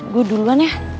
gue duluan ya